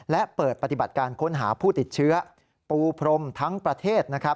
และเปิดปฏิบัติการค้นหาผู้ติดเชื้อปูพรมทั้งประเทศ